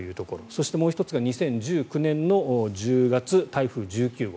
そして、もう１つが２０１９年１０月台風１９号。